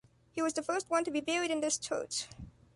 He was the first one to be buried in this church.